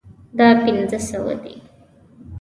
دا پنځه سوه دي